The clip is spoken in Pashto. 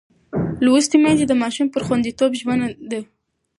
لوستې میندې د ماشوم پر خوندیتوب ژمنه ده.